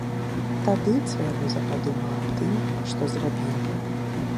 Тады цвяроза падумаў аб тым, што зрабіў.